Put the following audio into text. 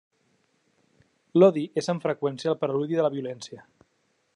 L'odi és amb freqüència el preludi de la violència.